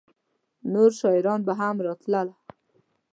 نور شاعران به هم راتله؟